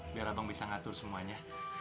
biar abang bisa ngatur semuanya